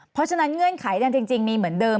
เพราะฉะนั้นเงื่อนไขนั้นจริงมีเหมือนเดิม